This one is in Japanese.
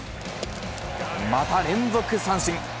また連続三振。